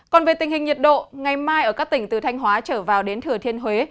còn về tình hình nhiệt độ ngày mai ở các tỉnh từ thanh hóa trở vào đến thừa thiên huế